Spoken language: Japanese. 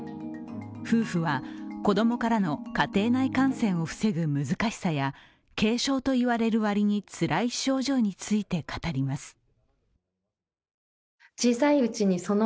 夫婦は子供からの家庭内感染を防ぐ難しさや軽症といわれるわりにつらい症状について語ります。